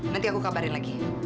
nanti aku kabarin lagi